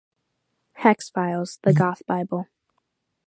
"Hex Files: The Goth Bible".